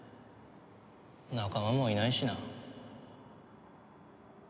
仲間もいないしな。